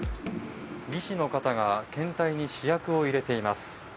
技師の方が検体に試薬を入れています。